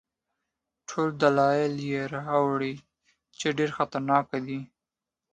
ټول دا دلایل یې راوړي چې ډېر خطرناک دی.